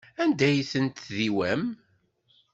Anda ay ten-tdiwam?